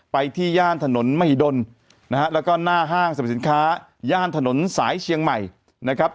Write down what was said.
ที่ย่านถนนมหิดลนะฮะแล้วก็หน้าห้างสรรพสินค้าย่านถนนสายเชียงใหม่นะครับ